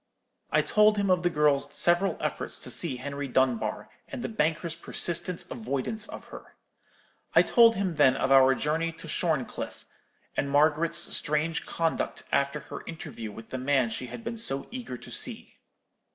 I told him of the girl's several efforts to see Henry Dunbar, and the banker's persistent avoidance of her. I told him then of our journey to Shorncliffe, and Margaret's strange conduct after her interview with the man she had been so eager to see.